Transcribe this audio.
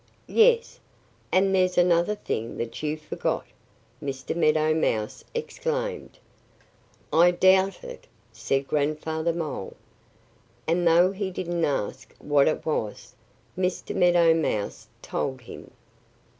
"Yes! And there's another thing that you forgot!" Mr. Meadow Mouse exclaimed. "I doubt it," said Grandfather Mole. And though he didn't ask what it was, Mr. Meadow Mouse told him.